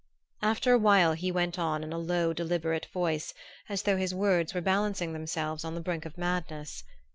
After a while he went on in a low deliberate voice, as though his words were balancing themselves on the brink of madness.